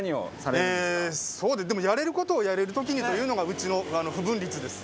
でもやれる事をやれる時にというのがうちの不文律です。